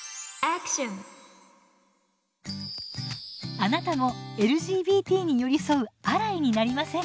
あなたもＬＧＢＴに寄り添うアライになりませんか？